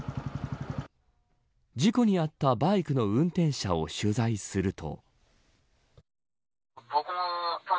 事故に遭ったバイクの運転者を取材すると。